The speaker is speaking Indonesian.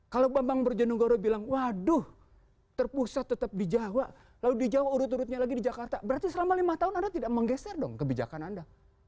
kalau bambang berjonegoro bilang waduh terpusat tetap di jawa lalu di jawa urut urutnya lagi di jakarta berarti selama lima tahun anda tidak menggeser dong kebijakan anda